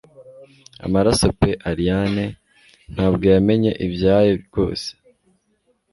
Amaraso pe Allayne ntabwoyameny ibya yo rwose